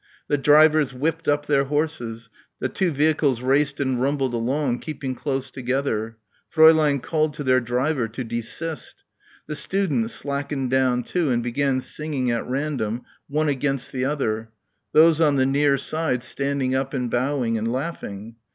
The drivers whipped up their horses. The two vehicles raced and rumbled along keeping close together. Fräulein called to their driver to desist. The students slackened down too and began singing at random, one against the other; those on the near side standing up and bowing and laughing.